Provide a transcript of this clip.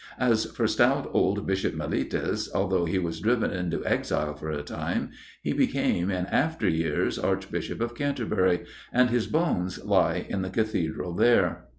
As for stout old Bishop Milletus, although he was driven into exile for a time, he became in after years Archbishop of Canterbury, and his bones lie in the Cathedral there.